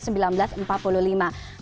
nah tidak pernah dijatuhi